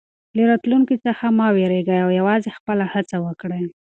له راتلونکي څخه مه وېرېږئ او یوازې خپله هڅه وکړئ.